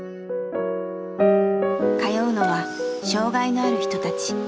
通うのは障害のある人たち。